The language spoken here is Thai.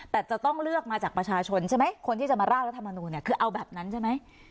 แต่จะต้องเลือกมาจากประชาชนใช่ไหมคนที่จะมาร่างรัฐมนูลเนี่ยคือเอาแบบนั้นใช่ไหม